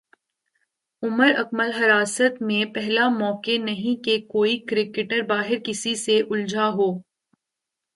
عمر اکمل حراست میںپہلا موقع نہیں کہ کوئی کرکٹر باہر کسی سے الجھا ہو